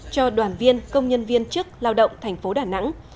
cho đoàn viên công nhân viên chức lao động thành phố đà nẵng